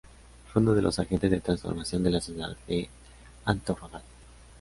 Fue uno de los agentes de transformación de la ciudad de Antofagasta.